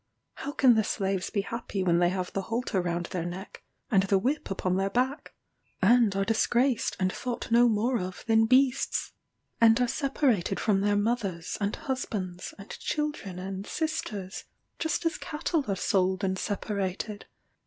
How can slaves be happy when they have the halter round their neck and the whip upon their back? and are disgraced and thought no more of than beasts? and are separated from their mothers, and husbands, and children, and sisters, just as cattle are sold and separated?